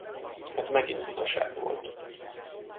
Ez megint butaság volt.